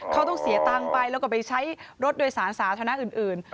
เขาต้องเสียตังค์ไปแล้วก็ไปใช้รถโดยสารสาธารณะอื่น